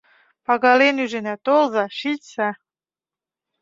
— Пагален ӱжына, толза, шичса.